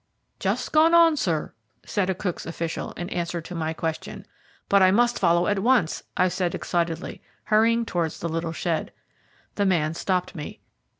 "Just gone on, sir," said a Cook's official, in answer to my question. "But I must follow at once," I said excitedly, hurrying towards the little shed. The man stopped me.